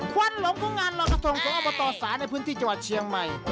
ควันหลงผู้งานลอยกระทงเขาเอามาต่อสารในพื้นที่จังหวัดเชียงใหม่